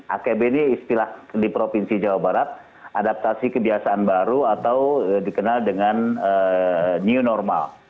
akbd istilah di provinsi jawa barat adaptasi kebiasaan baru atau dikenal dengan new normal